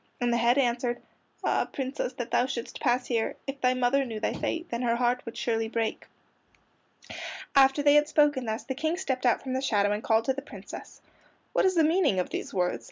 And the head answered: "Ah, Princess, that thou shouldst pass here! If thy mother knew thy fate, Then her heart would surely break." After they had spoken thus the King stepped out from the shadow and called to the Princess. "What is the meaning of these words?"